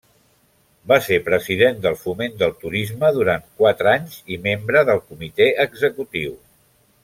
Va ser president del Foment del Turisme durant quatre anys i membre del Comitè Executiu.